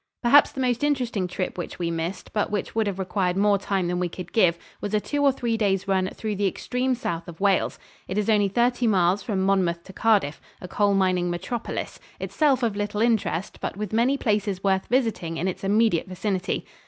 Perhaps the most interesting trip which we missed, but which would have required more time than we could give, was a two or three days' run through the extreme south of Wales. It is only thirty miles from Monmouth to Cardiff, a coal mining metropolis, itself of little interest, but with many places worth visiting in its immediate vicinity.